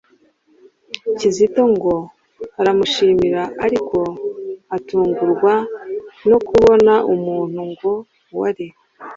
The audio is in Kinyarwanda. Kizito ngo aramushimira, ariko atungurwa no kubona umuntu ngo wari